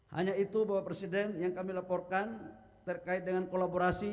hanya itu bapak presiden yang kami laporkan terkait dengan kolaborasi